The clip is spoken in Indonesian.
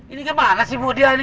ini kemana sih mudia nih